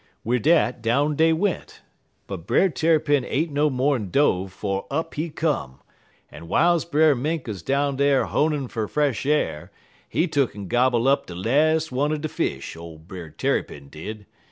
"Wid dat, down dey went, but Brer Tarrypin ain't mo'n dove 'fo' up he come, en w'iles Brer Mink 'uz down dar honin' fer fresh a'r, he tuck'n gobble up de las' one er de fish, ole Brer Tarrypin did.